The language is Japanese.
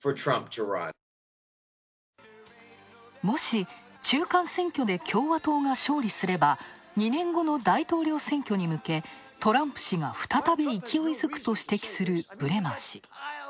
もし、中間選挙で共和党が勝利すれば２年後の大統領選挙にむけ、トランプ氏が再び勢いづくと指摘するブレマー氏。